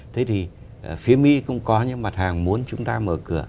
thế thì phía mỹ cũng có những mặt hàng muốn chúng ta mở cửa